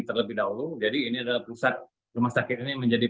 kemudian komunikasi sejauh ini juga terjadi